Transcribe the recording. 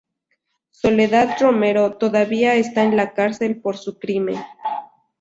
Soledad Romero, todavía está en la cárcel por su crimen.